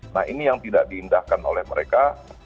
nah ini yang tidak diindahkan oleh mereka